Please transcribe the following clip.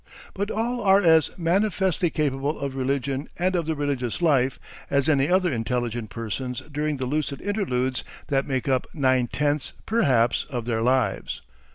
But all are as manifestly capable of religion and of the religious life as any other intelligent persons during the lucid interludes that make up nine tenths perhaps of their lives.